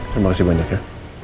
terima kasih banyak ya